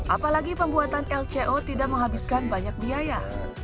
apalagi pembuatan lco tidak menghabiskan banyak biaya